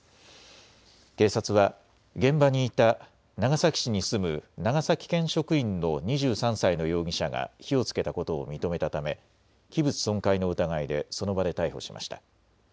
警察は現場にいた長崎市に住む長崎県職員の２３歳の容疑者が火をつけたことを認めたため器物損壊の疑いでその場で逮捕しました。